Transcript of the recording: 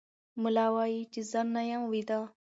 ملا وایي چې زه نه یم ویده.